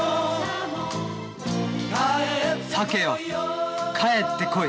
サケよ帰ってこい。